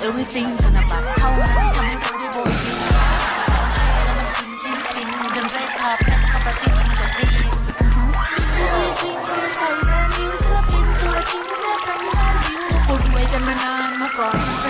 โอ้โห